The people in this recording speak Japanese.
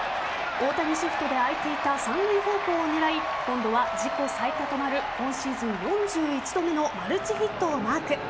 大谷シフトで空いていた三塁方向を狙い今度は自己最多となる今シーズン４１度目のマルチヒットをマーク。